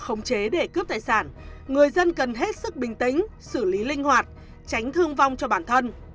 không chế để cướp tài sản người dân cần hết sức bình tĩnh xử lý linh hoạt tránh thương vong cho bản thân